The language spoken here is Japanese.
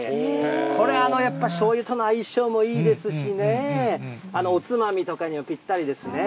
これ、やっぱしょうゆとの相性もいいですしね、おつまみとかにもぴったりですね。